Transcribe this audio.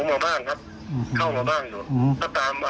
อาจจะขวะพอดีเขาว่ายน้ำ